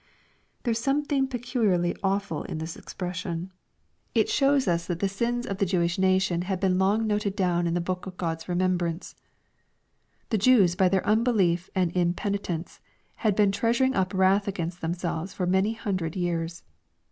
*' There is something peculiarly awful in this expression. It shows us that the sins of the Jewish nation had been long noted down in the book of God's remembrance. 16* 370 EXPOSITORY THOUGHTS. The Jews by their unbelief and impenitence, had been treasuring up wrath against themselves for many hun dred years.